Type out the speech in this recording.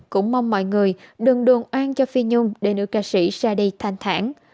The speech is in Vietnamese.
cũng mong mọi người đừng đồn oan cho phi nhung để nữ ca sĩ ra đây thanh thản